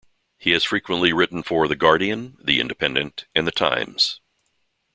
He has frequently written for "The Guardian", "The Independent" and "The Times".